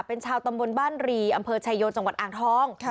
เป็นชาวตำบลบ้านรีอำเภอชายโยจังหวัดอ่างทอง